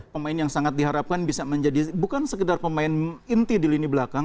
pemain yang sangat diharapkan bisa menjadi bukan sekedar pemain inti di lini belakang